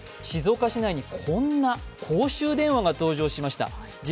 静岡市内にこんな公衆電話が登場しました。